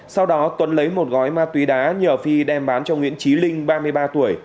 sau đó tuấn lấy một gói ma túy đá nhờ phi đem bán cho nguyễn trí linh ba mươi ba tuổi